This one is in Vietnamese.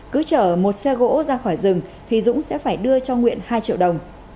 cứ chở một xe gỗ ra khỏi rừng thì dũng sẽ phải đưa cho nguyễn hai triệu đồng